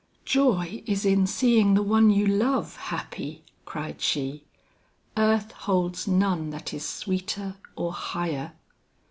"Joy is in seeing the one you love happy," cried she; "earth holds none that is sweeter or higher."